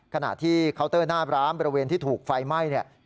ขณะที่เคาน์เตอร์หน้าร้านบริเวณที่ถูกไฟไหม้เนี่ย